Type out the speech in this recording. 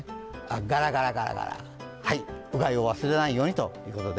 がらがらがらがらうがいを忘れないようにということで。